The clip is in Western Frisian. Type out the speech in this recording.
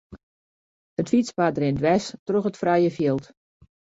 It fytspaad rint dwers troch it frije fjild.